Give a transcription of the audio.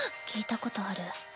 聞いたことある。